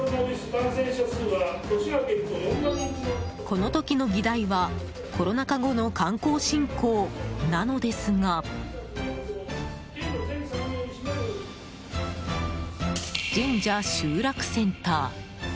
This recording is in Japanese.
この時の議題はコロナ禍後の観光振興なのですが「神社集落センター」？